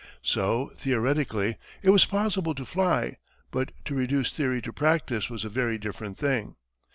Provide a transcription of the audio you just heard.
So, theoretically, it was possible to fly, but to reduce theory to practice was a very different thing.